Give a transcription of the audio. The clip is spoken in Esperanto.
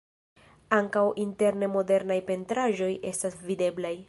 Ankaŭ interne modernaj pentraĵoj estas videblaj.